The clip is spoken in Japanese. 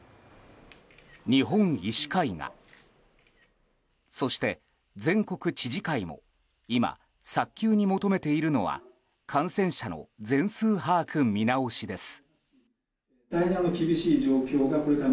日本医師会がそして全国知事会も今、早急に求めているのは感染者の全数把握見直しです。